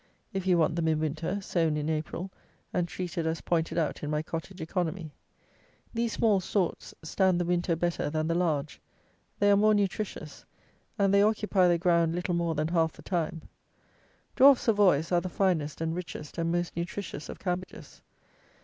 If you want them in winter, sown in April, and treated as pointed out in my Cottage Economy. These small sorts stand the winter better than the large; they are more nutritious; and they occupy the ground little more than half the time. Dwarf Savoys are the finest and richest and most nutritious of cabbages.